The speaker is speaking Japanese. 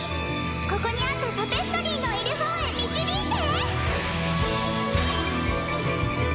ここにあったタペストリーのいるほうへ導いて！